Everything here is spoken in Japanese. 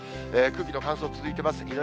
空気の乾燥続いています。